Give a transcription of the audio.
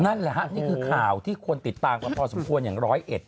นั่นแหละฮะนี่คือข่าวที่คนติดตามกันพอสมควรอย่างร้อยเอ็ด